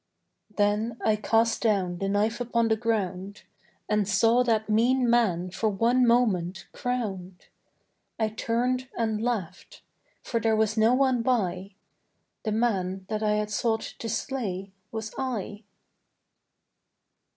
Then I cast down the knife upon the ground And saw that mean man for one moment crowned. I turned and laughed: for there was no one by The man that I had sought to slay was I.